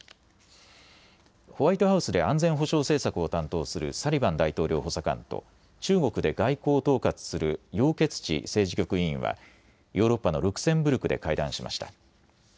ホワイトハウスで安全保障政策を担当するサリバン大統領補佐官と中国で外交を統括する楊潔ち政治局委員はヨーロッパのルクセンブルクで会談しました。